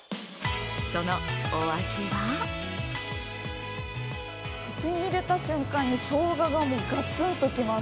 そのお味は口に入れた瞬間にしょうががガツンと来ます。